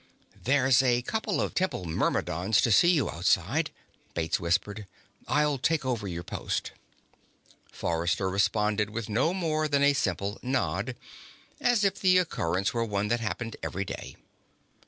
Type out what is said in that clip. "There's a couple of Temple Myrmidons to see you outside," Bates whispered. "I'll take over your post." Forrester responded with no more than a simple nod, as if the occurrence were one that happened every day.